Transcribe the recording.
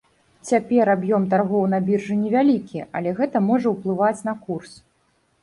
Цяпер аб'ём таргоў на біржы невялікі, але гэта можа ўплываць на курс.